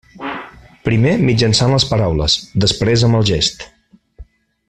Primer mitjançant les paraules, després amb el gest.